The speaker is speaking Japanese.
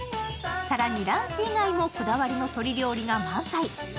更にランチ以外もこだわりの鶏料理が満載。